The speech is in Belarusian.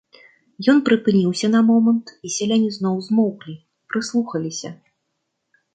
Ён прыпыніўся на момант, і сяляне зноў змоўклі, прыслухаліся.